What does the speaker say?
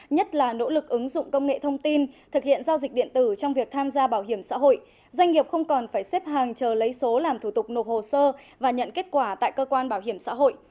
nhất là nỗ lực ứng dụng công nghệ thông tin thực hiện giao dịch điện tử trong việc tham gia bảo hiểm xã hội doanh nghiệp không còn phải xếp hàng chờ lấy số làm thủ tục nộp hồ sơ và nhận kết quả tại cơ quan bảo hiểm xã hội